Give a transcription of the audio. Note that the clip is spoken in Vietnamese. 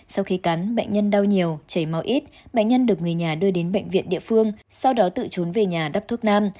sau khi cắn bệnh nhân đau nhiều chảy máu ít bệnh nhân được người nhà đưa đến bệnh viện địa phương sau đó tự trốn về nhà đắp thuốc nam